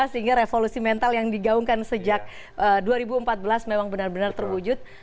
sehingga revolusi mental yang digaungkan sejak dua ribu empat belas memang benar benar terwujud